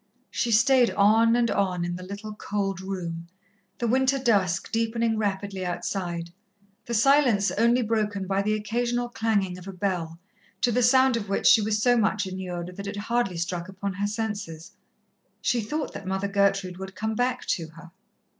She stayed on and on in the little cold room, the winter dusk deepening rapidly outside, the silence only broken by the occasional clanging of a bell, to the sound of which she was so much inured that it hardly struck upon her senses. She thought that Mother Gertrude would come back to her.